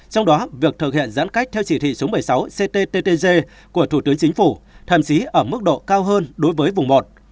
trong đó việc thực hiện giãn cách theo chỉ thị số một mươi sáu cttg của thủ tướng chính phủ thậm chí ở mức độ cao hơn đối với vùng một